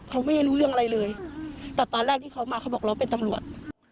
เขาไม่ได้รู้เรื่องอะไรเลยแต่ตอนแรกที่เขามาเขาบอกเราเป็นตำรวจ